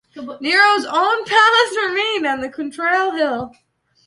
Nero's own palace remained on the Quirinal Hill.